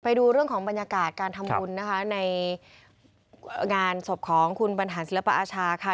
ไปดูเรื่องของบรรยากาศการทำบุญนะคะในงานศพของคุณบรรหารศิลปอาชาค่ะ